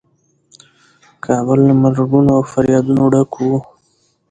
کابل له مرګونو او فریادونو ډک و.